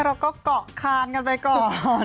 เราก็เกาะคานกันไปก่อน